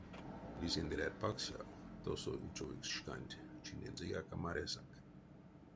Лисиндерят паксяв, тосо учовикс шканть чинензэяк а марясак.